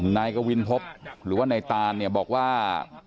นายกวินพบหรือว่านายตานเนี่ยบอกว่า